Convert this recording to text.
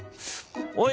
おい。